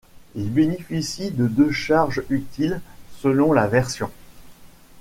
Il bénéficie des deux charge utile, selon la version.